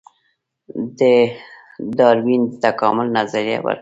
ډاروین د تکامل نظریه ورکړه